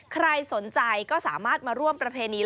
ใครสนใจก็สามารถมาร่วมประเพณี